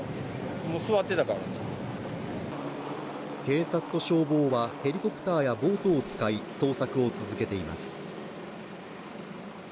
警察と消防はヘリコプターやボートを使い捜索を続けています。